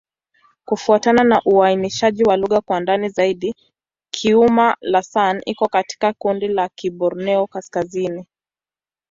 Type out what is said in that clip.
Kufuatana na uainishaji wa lugha kwa ndani zaidi, Kiuma'-Lasan iko katika kundi la Kiborneo-Kaskazini.